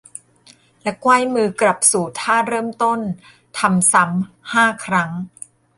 และไขว้มือกลับสู่ท่าเริ่มต้น ทำซ้ำ ห้า ครั้ง